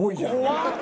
怖っ。